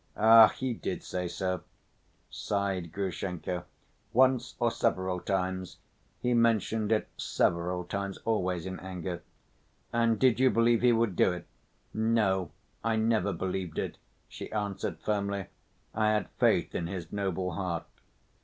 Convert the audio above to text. "Ach, he did say so," sighed Grushenka. "Once or several times?" "He mentioned it several times, always in anger." "And did you believe he would do it?" "No, I never believed it," she answered firmly. "I had faith in his noble heart."